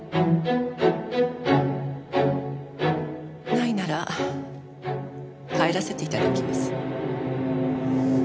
ないなら帰らせて頂きます。